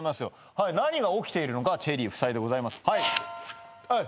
はい何が起きているのかチェリー夫妻でございます